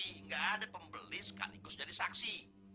tidak ada pembeli sekaligus jadi saksi